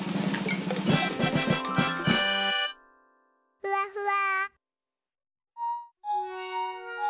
ふわふわ。